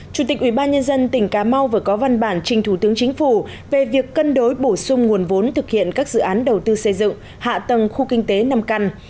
chủ tịch ubnd tỉnh cà mau vừa có văn bản trình thủ tướng chính phủ về việc cân đối bổ sung nguồn vốn thực hiện các dự án đầu tư xây dựng hạ tầng khu kinh tế năm căn